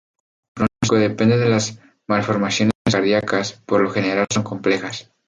El pronóstico depende de las malformaciones cardiacas, por lo general son complejas.